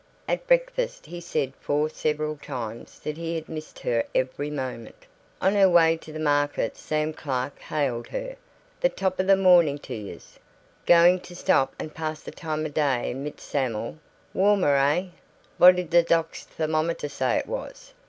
At breakfast he said four several times that he had missed her every moment. On her way to market Sam Clark hailed her, "The top o' the mornin' to yez! Going to stop and pass the time of day mit Sam'l? Warmer, eh? What'd the doc's thermometer say it was?